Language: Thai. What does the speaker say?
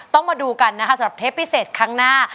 ต้องมาดูกันนะคะสำหรับเทปพิเศษครั้งหน้า